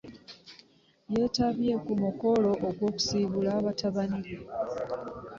Yeetabye ku mukolo ogw'okusiibula batabani be.